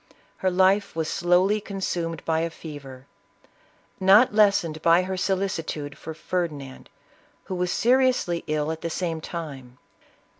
Her life was slowly con sumed by a fever, not lessened by her solicitude for Ferdinand, who was seriously ill at the same time.